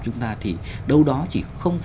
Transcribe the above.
chúng ta thì đâu đó chỉ hai